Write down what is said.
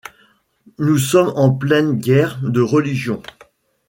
Nous sommes en pleine guerre de Religion.